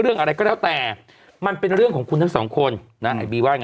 เรื่องอะไรก็แล้วแต่มันเป็นเรื่องของคุณทั้งสองคนนะไอบีว่าไง